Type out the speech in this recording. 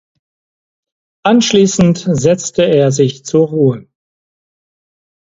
Anschließend setzte er sich zur Ruhe.